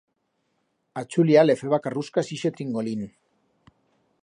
A Chulia le feba carruscas ixe tringolín.